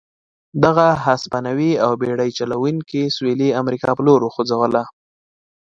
دغه هسپانوي او بېړۍ چلوونکي سوېلي امریکا په لور وخوځوله.